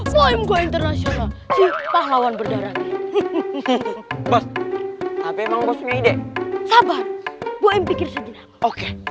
poem gue internasional pahlawan berdarah bos tapi emang bos punya ide sabar buim pikir saja oke